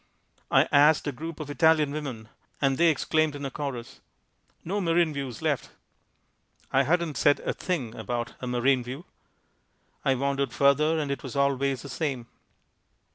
I asked a group of Italian women and they exclaimed in a chorus "No marine views left." I hadn't said a thing about a "marine view." I wandered further and it was always the same.